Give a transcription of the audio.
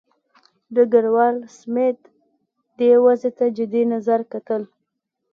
ډګروال سمیت دې وضع ته جدي نظر کتل.